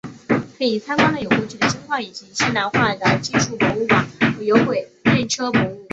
可以参观的有过去的金矿以及现代化的技术博物馆和有轨电车博物馆。